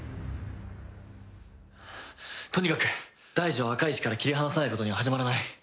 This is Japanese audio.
とにかく大二を赤石から切り離さないことには始まらない。